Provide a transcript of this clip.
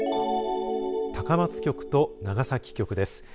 高松局と長崎局です。